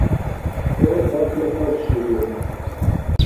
ГӀур хапли харчризур.